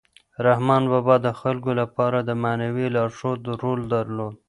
رحمان بابا د خلکو لپاره د معنوي لارښود رول درلود.